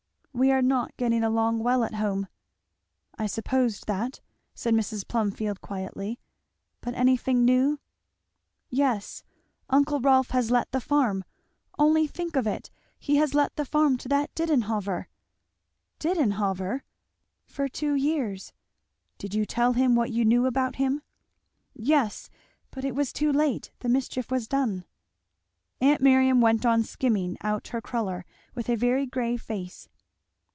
"We are not getting along well at home." "I supposed that," said Mrs. Plumfield quietly. "But anything new?" "Yes uncle Rolf has let the farm only think of it! he has let the farm to that Didenhover." "Didenhover!" "For two years." "Did you tell him what you knew about him?" "Yes, but it was too late the mischief was done." Aunt Miriam went on skimming out her cruller with a very grave face.